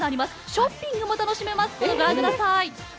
ショッピングも楽しめます。